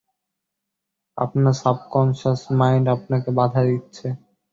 আপনার subconscious mind আপনাকে বাধা দিচ্ছে!